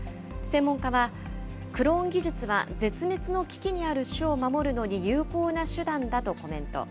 専門家は、クローン技術は絶滅の危機にある種を守るのに有効な手段だとコメント。